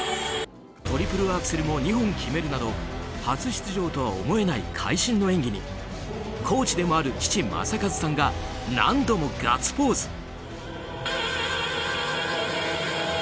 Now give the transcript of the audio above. トリプルアクセルも２本決めるなど初出場とは思えない会心の演技にコーチでもある父・正和さんが何度もガッツポーズ！